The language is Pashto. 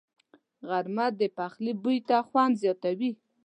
غرمه د پخلي بوی ته خوند زیاتوي